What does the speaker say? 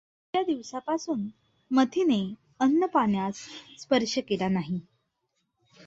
त्या दिवसापासून मथीने अन्नपाण्यास स्पर्श केला नाही.